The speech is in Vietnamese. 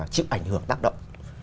chức ảnh hưởng tác động